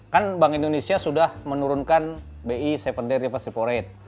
kan bank indonesia sudah menurunkan bi tujuh d reverse support rate